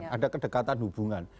ada kedekatan hubungan